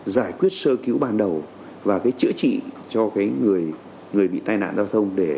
giải quyết sơ cứu ban đầu và cái chữa trị cho người bị tai nạn giao thông